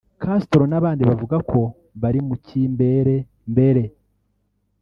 Castro n’abandi bavuga ko bari muri Kimbele mbele